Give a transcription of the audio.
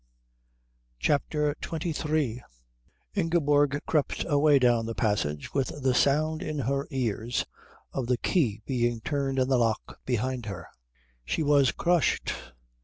CHAPTER XXIII Ingeborg crept away down the passage with the sound in her ears of the key being turned in the lock behind her. She was crushed.